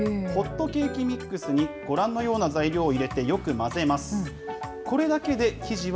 ホットケーキミックスにご覧のような材料を入れてよく混ぜます。